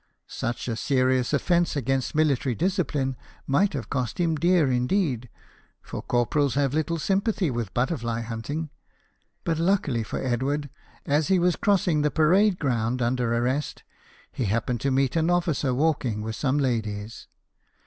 Such a serious offence against military discipline might have cost him dear indeed, for corporals have little sympathy with butterfly hunting; but luckily for Edward, as he was crossing the parade ground under arrest, he happened to meet an officer walking with some ladies.